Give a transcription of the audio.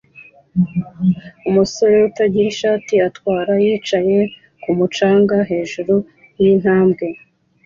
Umusore utagira ishati atwara yicaye kumu canga hejuru yintambwe